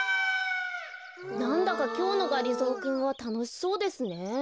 なんだかきょうのがりぞーくんはたのしそうですね。